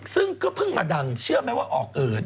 ซึ่งก็เพิ่งมาดังเชื่อไหมว่าออกเอิด